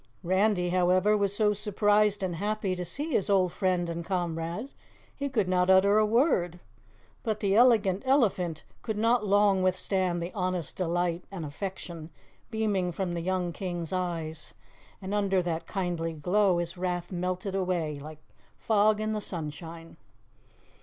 Randy, however, was so surprised and happy to see his old friend and comrade, he could not utter a word. But the Elegant Elephant could not long withstand the honest delight and affection beaming from the young King's eyes, and under that kindly glow his wrath melted away like fog in the sunshine.